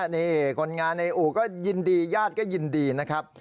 นี่คนงานในอู่ก็ยินดีญาติก็ยินดีนะครับ